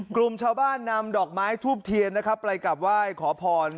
กลุ่มชาวบ้านนำดอกไม้ทูบเทียนนะครับไปกลับไหว้ขอพร